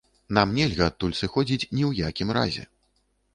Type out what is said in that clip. Нам нельга адтуль сыходзіць ні ў якім разе.